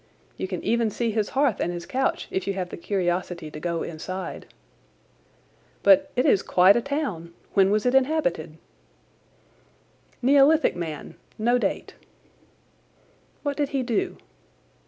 You can even see his hearth and his couch if you have the curiosity to go inside. "But it is quite a town. When was it inhabited?" "Neolithic man—no date." "What did he do?"